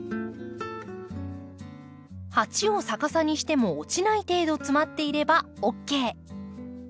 鉢を逆さにしても落ちない程度詰まっていればＯＫ。